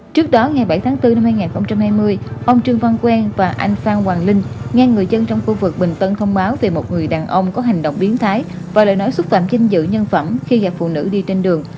trước đó ngày bảy tháng bốn năm hai nghìn hai mươi ông trương văn quen và anh phan hoàng linh nghe người dân trong khu vực bình tân thông báo về một người đàn ông có hành động biến thái và lời nói xúc phạm kinh giữ nhân phẩm khi gặp phụ nữ đi trên đường